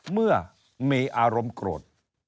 เมื่อมีอารมณ์โกรธ